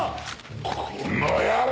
この野郎！